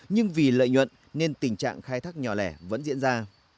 nhưng vì lợi nhuận nên tình trạng khai thác nhỏ lẻ vẫn diễn ra